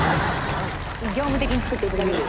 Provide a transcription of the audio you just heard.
業務的に作っていただければ。